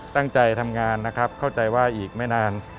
ตั้งใจทำงานนะครับเข้าใจว่าอีกไม่นาน